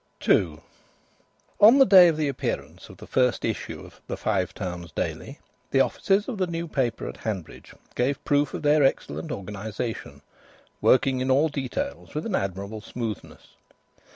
II On the day of the appearance of the first issue of the Five Towns Daily, the offices of the new paper at Hanbridge gave proof of their excellent organisation, working in all details with an admirable smoothness.